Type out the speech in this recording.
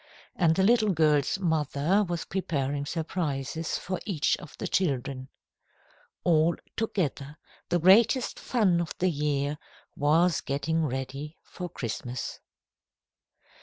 And the little girl's mother was preparing surprises for each of the children. All together, the greatest fun of the year was getting ready for Christmas.